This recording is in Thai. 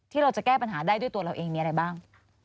เราจะแก้ปัญหาได้ด้วยตัวเราเองมีอะไรบ้าง